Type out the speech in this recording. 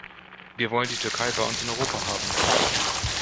Wir wollen die Türkei bei uns in Europa haben.